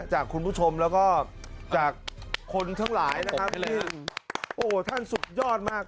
จากคุณผู้ชมแล้วก็จากคนทั้งหลายนะครับซึ่งโอ้โหท่านสุดยอดมาก